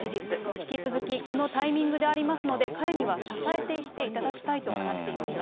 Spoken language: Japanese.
引き続きこのタイミングでありますので、彼には支えていっていただきたいと話していました。